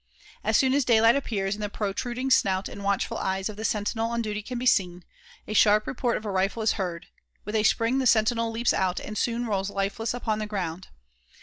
As soon as daylight appears and the protruding snout and watchful eyes of the sentinel on duty can be seen, a sharp report of a rifle is heard; with a spring the sentinel leaps out and soon rolls lifeless upon the ground.